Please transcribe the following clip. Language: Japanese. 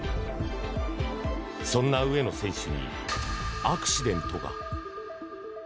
そんな上野選手にアクシデントが。